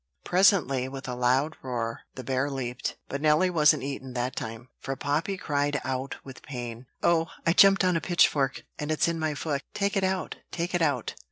Presently, with a loud roar, the bear leaped; but Nelly wasn't eaten that time, for Poppy cried out with pain: "Oh! I jumped on a pitchfork, and it's in my foot! Take it out! take it out!"